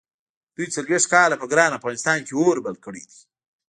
دوی څلوېښت کاله په ګران افغانستان کې اور بل کړی دی.